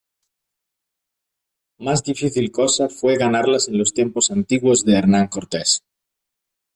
más difícil cosa fué ganarlas en los tiempos antiguos de Hernán Cortés.